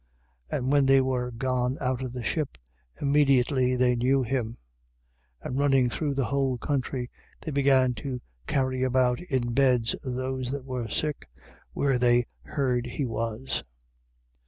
6:54. And when they were gone out of the ship, immediately they knew him: 6:55. And running through that whole country, they began to carry about in beds those that were sick, where they heard he was.